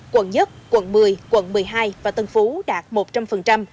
quận một quận một mươi quận một mươi hai và tân phú đạt một trăm linh